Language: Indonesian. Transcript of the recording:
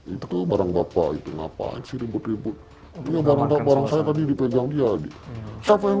itu barang bapak itu ngapain sih ribut ribut dia barangka barang saya tadi dipegang dia siapa yang